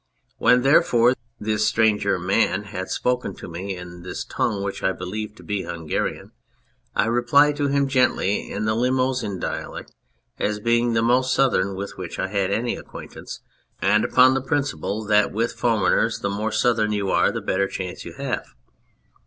When, therefore, this stranger man had spoken to me in this tongue which I believed to be Hungarian, I replied to him gently in the Limousin dialect as being the most southern with which I had any acquaintance, and upon the principle, that with foreigners the more southern you are the better chance you have.